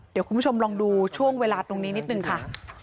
เดี๋ยวคุณผู้ชมลองดูช่วงเวลาตรงนี้นิดนึงค่ะ